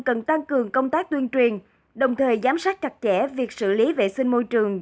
cần tăng cường công tác tuyên truyền đồng thời giám sát chặt chẽ việc xử lý vệ sinh môi trường